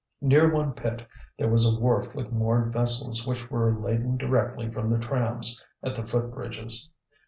Near one pit there was a wharf with moored vessels which were laden directly from the trams at the foot bridges.